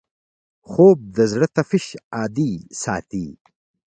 خوب د زړه تپش عادي ساتي